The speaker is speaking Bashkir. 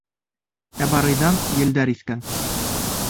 Ә Барыйҙан елдәр иҫкән.